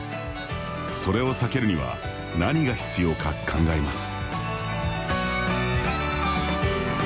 それを避けるには何が必要か、考えます。